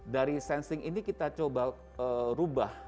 dari sensing ini kita coba rubah